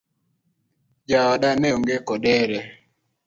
Jaode neonge kodere?